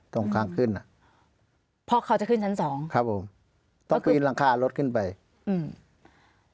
ตรงข้างขึ้นอ่ะเพราะเขาจะขึ้นชั้นสองครับผมต้องปีนหลังคารถขึ้นไปอืม